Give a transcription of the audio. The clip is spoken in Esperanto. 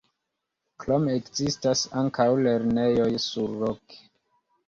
Krome ekzistas ankaŭ lernejoj surloke.